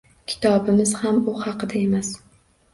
Kitobimiz ham u haqida emas.